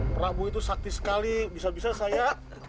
prabu itu sakti sekali bisa bisa saya